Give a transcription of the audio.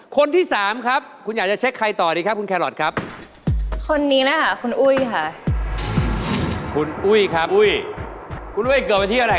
เขารู้สึกเขารู้สึกมาก